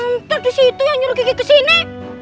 entar disitu yang nyuruh kiki kesini